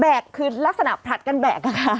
แบกคือลักษณะผลัดกันแบกค่ะ